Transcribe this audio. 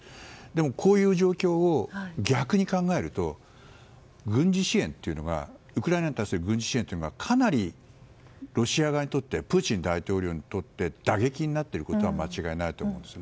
でもこういう状況を逆に考えるとウクライナに対する軍事支援というのがかなりロシア側にとってプーチン大統領にとって打撃になっていることは間違いないと思います。